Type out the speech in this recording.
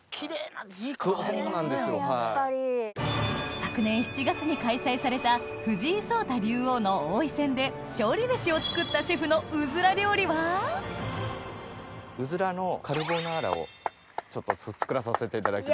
昨年７月に開催された藤井聡太竜王の王位戦で勝利メシを作ったシェフのうずら料理は？をちょっと作らさせていただきます。